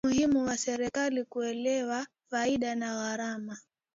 muhimu kwa serikali kuelewa faida na gharama